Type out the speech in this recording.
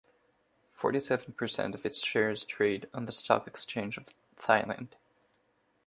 Forty-seven percent of its shares trade on the Stock Exchange of Thailand.